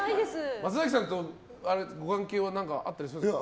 松崎さんとご関係は何かあったりしますか？